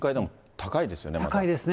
高いですね。